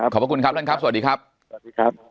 ขอบคุณครับท่านครับสวัสดีครับสวัสดีครับ